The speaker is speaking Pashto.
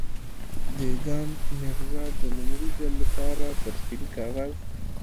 دېګان ميرزا د لومړي ځل لپاره پر سپين کاغذ.